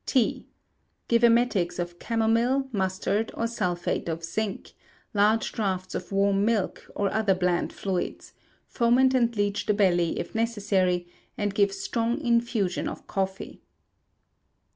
T. Give emetics of camomile, mustard, or sulphate of zinc; large draughts of warm milk, or other bland fluids; foment and leech the belly if necessary, and give strong infusion of coffee.